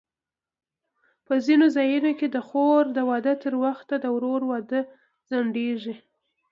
په ځینو ځایونو کې د خور د واده تر وخته د ورور واده ځنډېږي.